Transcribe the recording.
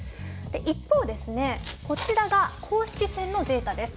一方こちらが公式戦のデータです。